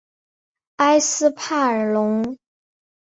埃斯帕尔龙。